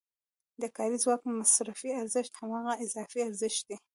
د کاري ځواک مصرفي ارزښت هماغه اضافي ارزښت دی